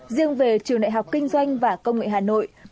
riêng về trường đại học kinh doanh và công nghệ hà nội